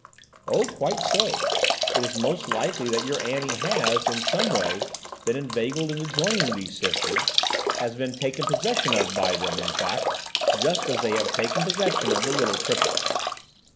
"Oh, quite so; it is most likely that your Annie has, in some way, been inveigled into joining these Sisters–has been taken possession of by them, in fact, just as they have taken possession of the little cripples."